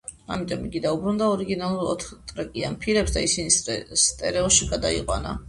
ამიტომ იგი დაუბრუნდა ორიგინალურ ოთხტრეკიან ფირებს და ისინი სტერეოში გადაიყვანა.